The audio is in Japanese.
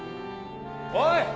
おい！